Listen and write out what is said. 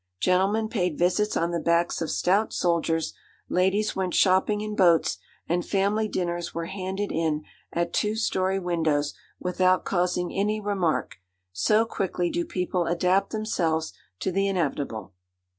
Gentlemen paid visits on the backs of stout soldiers, ladies went shopping in boats, and family dinners were handed in at two story windows without causing any remark, so quickly do people adapt themselves to the inevitable.